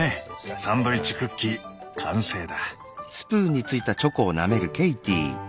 サンドイッチクッキー完成だ。